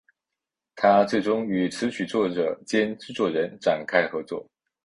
她最终与词曲作者兼制作人展开合作。